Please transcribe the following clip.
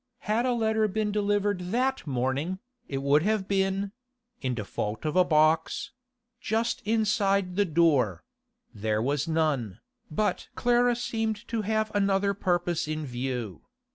Had a letter been delivered that morning, it would have been—in default of box—just inside the door; there was none, but Clara seemed to have another purpose in view.